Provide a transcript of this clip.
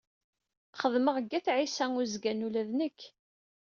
Xeddmeɣ deg At Ɛisa Uzgan. Ula d nekk.